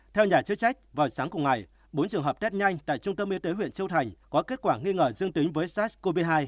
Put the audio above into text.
theo nhà chức trách vào sáng cùng ngày bốn trường hợp test nhanh tại trung tâm y tế huyện châu thành có kết quả nghi ngờ dương tính với sars cov hai